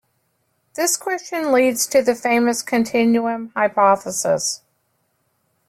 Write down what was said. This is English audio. This question leads to the famous continuum hypothesis.